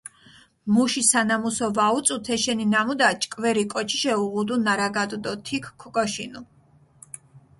მუში სანამუსო ვაუწუ, თეშენი ნამუდა ჭკვერი კოჩიშე უღუდუ ნარაგადჷ დო თიქჷ ქოგაშინჷ.